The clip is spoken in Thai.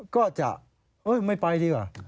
ก็จะไม่ไปดีกว่า